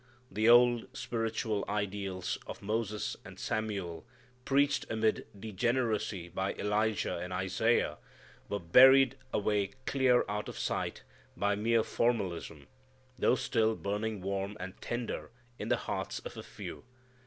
The old spiritual ideals of Moses, and Samuel, preached amid degeneracy by Elijah and Isaiah, were buried away clear out of sight by mere formalism, though still burning warm and tender in the hearts of a few.